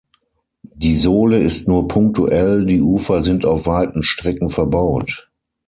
Die Sohle ist nur punktuell, die Ufer sind auf weiten Strecken verbaut.